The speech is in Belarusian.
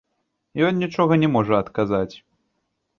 Ён нічога не можа адказаць.